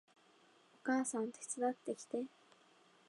お母さん手伝ってきて